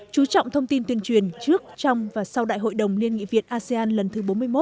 chú trọng thông tin tuyên truyền trước trong và sau đại hội đồng liên nghị việt asean lần thứ bốn mươi một